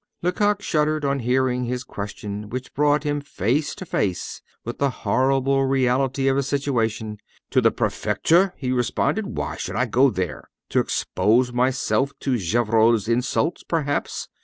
Lecoq shuddered on hearing this question, which brought him face to face with the horrible reality of his situation. "To the Prefecture!" he responded. "Why should I go there? To expose myself to Gevrol's insults, perhaps?